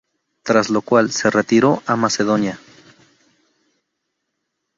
Tras lo cual, se retiró a Macedonia.